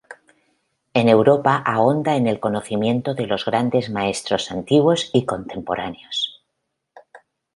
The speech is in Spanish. En Europa ahonda en el conocimiento de los grandes maestros antiguos y contemporáneos.